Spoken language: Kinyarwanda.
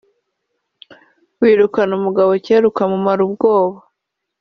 wirukana umugabo kera ukamumara ubwoba